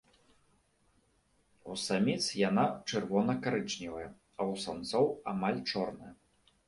У саміц яна чырвона-карычневая, а ў самцоў амаль чорная.